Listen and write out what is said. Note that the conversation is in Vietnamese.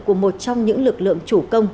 của một trong những lực lượng chủ công